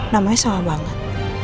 namanya sama banget